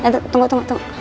tunggu tunggu tunggu